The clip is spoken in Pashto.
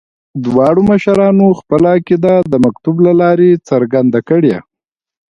دواړو مشرانو خپله عقیده د مکتوب له لارې څرګنده کړې.